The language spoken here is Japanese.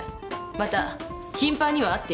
また頻繁には会っていない。